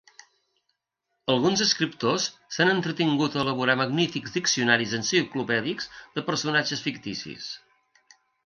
Alguns escriptors s'han entretingut a elaborar magnífics diccionaris enciclopèdics de personatges ficticis.